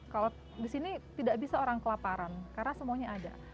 kalau di sini tidak bisa orang kelaparan karena semuanya ada